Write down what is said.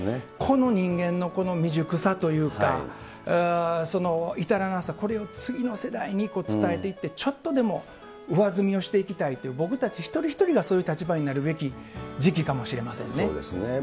この人間のこの未熟さというか、至らなさ、これを次の世代に伝えていって、ちょっとでも上積みをしていきたいという、僕たち一人一人がそういう立場になるべき時期かもしれませんね。